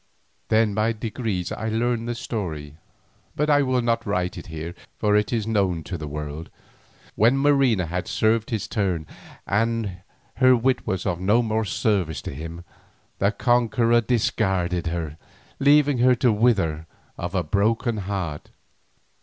Then by degrees I learned the story, but I will not write it here, for it is known to the world. When Marina had served his turn and her wit was of no more service to him, the conqueror discarded her, leaving her to wither of a broken heart.